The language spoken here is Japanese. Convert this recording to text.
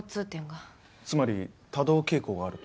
つまり多動傾向があると？